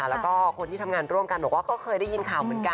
แล้วก็คนที่ทำงานร่วมกันบอกว่าก็เคยได้ยินข่าวเหมือนกัน